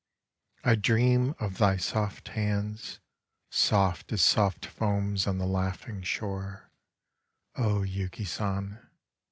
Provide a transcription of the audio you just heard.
I dream of thy soft hands, soft as soft foams on the laughing shore, O Yuki San